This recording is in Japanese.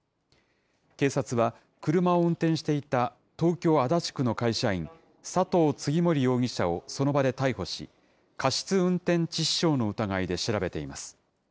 警察は、車を運転していた東京・足立区の会社員、佐藤次守容疑者をその場で逮捕し、過失運転致死傷の疑いで調べています。